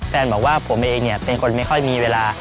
แฟนบอกว่าผมเองเป็นคนไม่ค่อยมีเวลา